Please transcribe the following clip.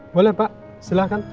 boleh pak silahkan